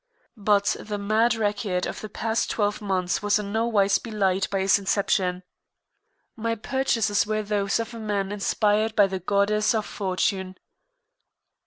But the mad record of the past twelve months was in no wise belied by its inception. My purchases were those of a man inspired by the Goddess of Fortune.